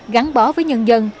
gắn bó với nhân dân